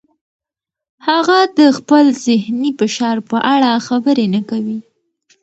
هغه د خپل ذهني فشار په اړه خبرې نه کوي.